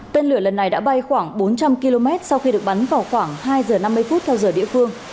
tên lửa lần này đã bay khoảng bốn trăm linh km sau khi được bắn vào khoảng hai giờ năm mươi phút theo giờ địa phương